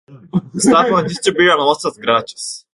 Estavam a distribuir amostras grátis.